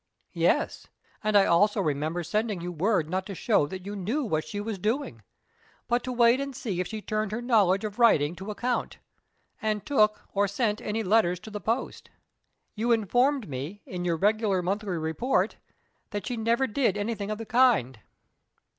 "Yes; and I also remember sending you word not to show that you knew what she was doing; but to wait and see if she turned her knowledge of writing to account, and took or sent any letters to the post. You informed me, in your regular monthly report, that she nearer did anything of the kind."